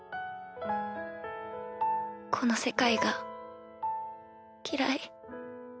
この世界が嫌い。